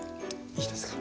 いいですか？